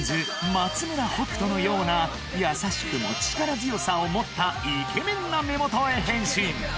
松村北斗のような優しくも力強さを持ったイケメンな目元へ変身